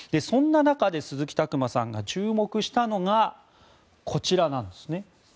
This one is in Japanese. そんな中で、鈴木琢磨さんが注目したのがこちらなんです。